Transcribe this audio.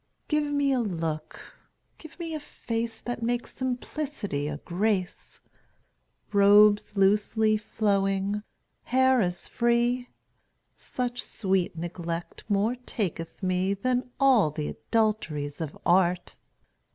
Give me a look, give me a face That makes simplicity a grace; Robes losely flowing, hair as free; Such sweet neglect more taketh me Than all th' adulteries of art.